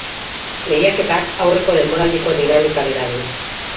Lehiaketak aurreko denboraldiko dinamika bera du.